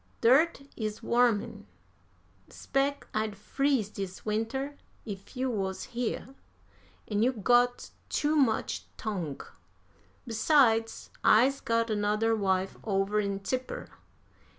Dirt is warmin'. 'Spec I'd freeze dis winter if you wuz here. An' you got too much tongue. Besides, I's got anudder wife over in Tipper.